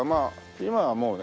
今はもうね